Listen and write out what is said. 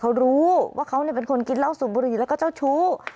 เขารู้ว่าเขาเป็นคนกินเหล้าสูบบุหรี่แล้วก็เจ้าชู้